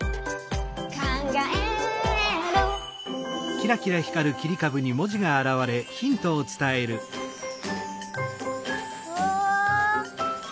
「かんがえる」うわ！